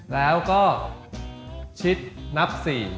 แล้วก็ชิดนับ๔